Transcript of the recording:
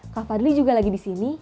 kak fadli juga lagi di sini